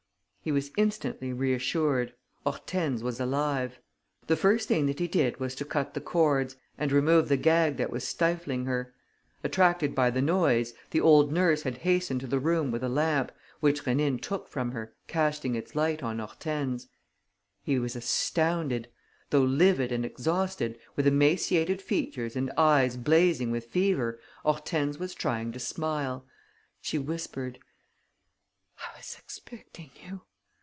He was instantly reassured: Hortense was alive. The first thing that he did was to cut the cords and remove the gag that was stifling her. Attracted by the noise, the old nurse had hastened to the room with a lamp, which Rénine took from her, casting its light on Hortense. He was astounded: though livid and exhausted, with emaciated features and eyes blazing with fever, Hortense was trying to smile. She whispered: "I was expecting you